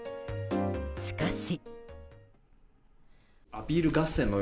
しかし。